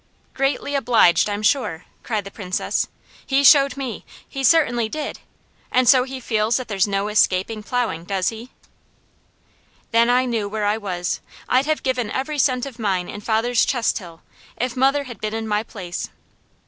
"Greatly obliged, I'm sure!" cried the Princess. "He showed me! He certainly did! And so he feels that there's 'no escaping' plowing, does he?" Then I knew where I was. I'd have given every cent of mine in father's chest till, if mother had been in my place.